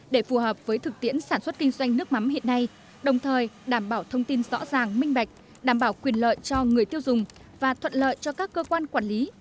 để phù hợp với thực tiễn sản xuất kinh doanh nước mắm hiện nay đồng thời đảm bảo thông tin rõ ràng minh bạch đảm bảo quyền lợi cho người tiêu dùng và thuận lợi cho các cơ quan quản lý